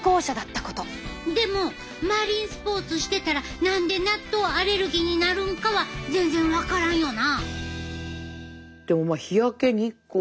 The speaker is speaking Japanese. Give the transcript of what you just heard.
でもマリンスポーツしてたら何で納豆アレルギーになるんかは全然分からんよな。